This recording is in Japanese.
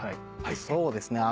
そうですね。